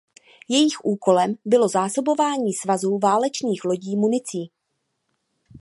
Jejich úkolem bylo zásobování svazů válečných lodí municí.